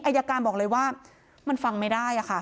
อายการบอกเลยว่ามันฟังไม่ได้ค่ะ